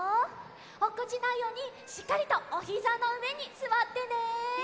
おっこちないようにしっかりとおひざのうえにすわってね。